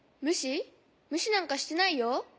むしなんかしてないよ。